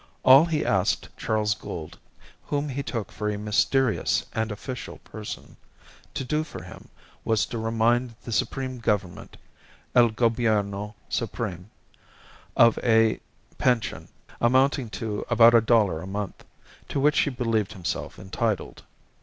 All he asked Charles Gould (whom he took for a mysterious and official person) to do for him was to remind the supreme Government El Gobierno supreme of a pension (amounting to about a dollar a month) to which he believed himself entitled.